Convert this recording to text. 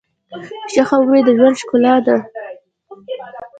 ښه خبرې د ژوند ښکلا ده.